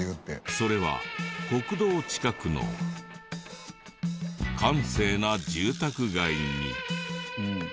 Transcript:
それは国道近くの閑静な住宅街に。